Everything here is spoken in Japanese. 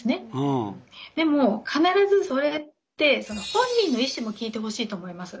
でも必ずそれって本人の意思も聞いてほしいと思います。